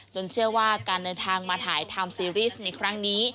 เชื่อว่าการเดินทางมาถ่ายทำซีรีส์ในครั้งนี้